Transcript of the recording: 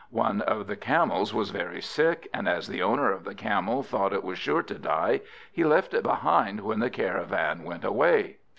One of the Camels was very sick, and as the owner of the Camel thought it was sure to die, he left it behind when the caravan went away.